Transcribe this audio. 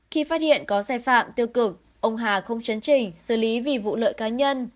khi phát hiện có sai phạm tiêu cực ông hà không chấn chỉnh xử lý vì vụ lợi cá nhân